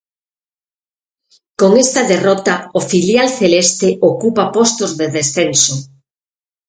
Con esta derrota o filial celeste ocupa postos de descenso.